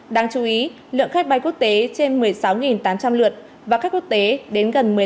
đáng chú ý lượng khách bay quốc tế trên một mươi sáu tám trăm linh lượt và khách quốc tế đến gần một mươi năm